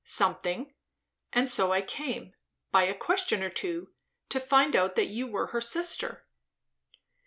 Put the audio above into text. "Something; and so I came, by a question or two, to find out that you were her sister."